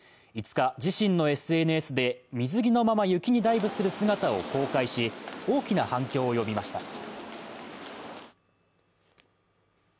５日、自身のＳＮＳで水着のまま雪にダイブする姿を公開し、大きな反響を呼びました。